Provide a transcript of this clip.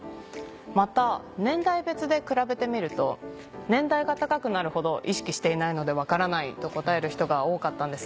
また年代別で比べてみると年代が高くなるほど「意識していないのでわからない」と答える人が多かったんです。